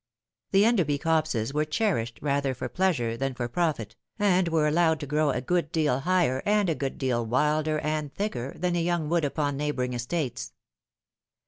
The Enderby copses were cherished rather for pleasure than for profit, and were allowed to grow a good deal higher and a good deal wilder and thicker than the young wood upon neighbouring estates.